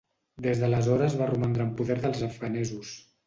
Des d'aleshores va romandre en poder dels afganesos.